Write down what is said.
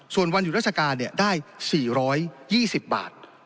ส่วนวันอยู่ราชการเนี่ยได้สี่ร้อยยี่สิบบาท